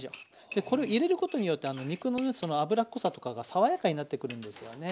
でこれを入れることによって肉のねその脂っこさとかが爽やかになってくるんですよね。